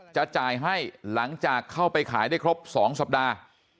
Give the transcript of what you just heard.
จะจ่ายให้หลังจากเข้าไปขายได้ครบ๒สัปดาห์